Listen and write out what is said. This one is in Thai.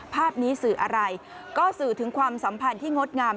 ภาพนี้สื่ออะไรก็สื่อถึงความสัมพันธ์ที่งดงาม